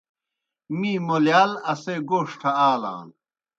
می مولِیال اسے گوݜٹھہ آلان۔